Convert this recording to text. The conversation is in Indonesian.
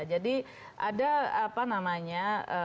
jadi ada apa namanya